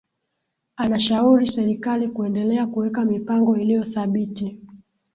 Anashauri serikali kuendelea kuweka mipango iliyothabiti